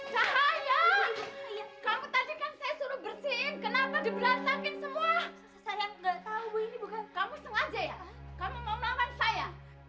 sampai jumpa di video selanjutnya